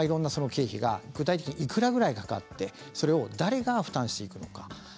その経費がいくらくらいかかって誰が負担していくのか。